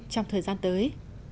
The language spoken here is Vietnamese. trong thời gian tới